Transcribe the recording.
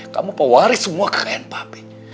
kamu pewaris semua kekayaan pabrik